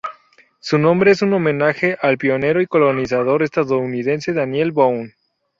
Su nombre es un homenaje al pionero y colonizador estadounidense Daniel Boone.